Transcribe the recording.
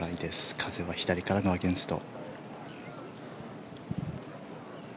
風は左からのアゲンスト。